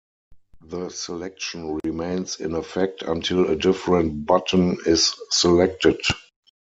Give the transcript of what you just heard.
The selection remains in effect until a different button is selected.